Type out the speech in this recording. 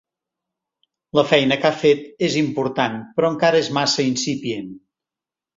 La feina que ha fet és important però encara és massa incipient.